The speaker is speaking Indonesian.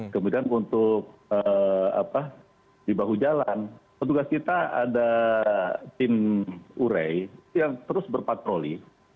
kemudian untuk di bahu jalan petugas kita ada tim urei yang terus berpatroli